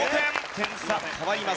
点差変わりません。